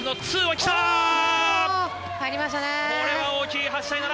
これは大きい。